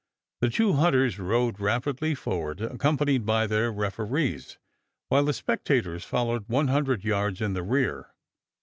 The two hunters rode rapidly forward, accompanied by their referees, while the spectators followed 100 yards in the rear.